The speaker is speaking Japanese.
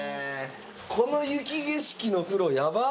この雪景色の風呂やばっ！